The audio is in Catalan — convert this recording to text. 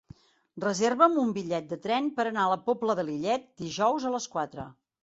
Reserva'm un bitllet de tren per anar a la Pobla de Lillet dijous a les quatre.